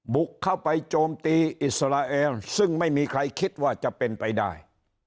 บุกเข้าไปโจมตีอิสราเอลซึ่งไม่มีใครคิดว่าจะเป็นไปได้